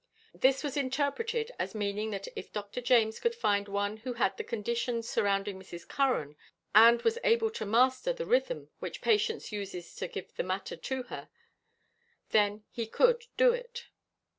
This was interpreted as meaning that if Dr. James could find one who had the conditions surrounding Mrs. Curran, and was able to master the rhythm which Patience uses to give the matter to her, then he could do it.